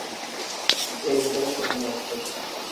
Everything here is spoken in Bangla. এর ভিতরে সুড়ঙ্গ আছে।